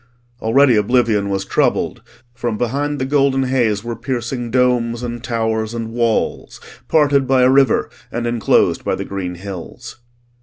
Already oblivion was troubled; from behind the golden haze were piercing domes and towers and walls, parted by a river and enclosed by the green hills.